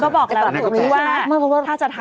ก็บอกแล้วว่าถ้าจะทำทำได้